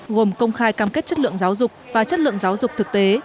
gồm công khai cam kết chất lượng giáo dục và chất lượng giáo dục thực tế